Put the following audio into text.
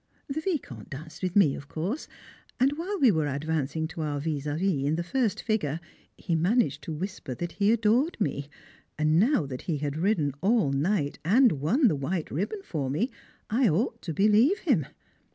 The Vicomte danced with me, of course, and while we were advancing to our vis à vis in the first figure, he managed to whisper that he adored me, and now that he had ridden all night, and won the white ribbon for me, I ought to believe him.